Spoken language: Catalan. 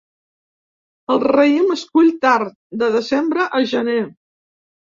El raïm es cull tard, de desembre a gener.